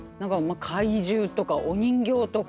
怪獣とかお人形とか？